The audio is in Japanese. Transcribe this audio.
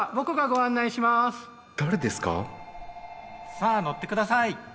さあ乗って下さい！